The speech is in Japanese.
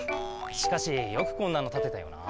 しかしよくこんなのたてたよな。